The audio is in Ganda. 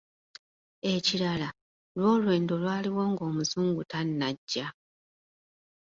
Ekirala lwo olwendo lwaliwo ng’Omuzungu tannajja